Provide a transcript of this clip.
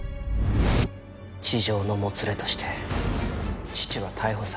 痴情のもつれとして父は逮捕されました。